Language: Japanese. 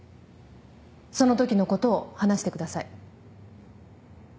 そのときのことを話してください。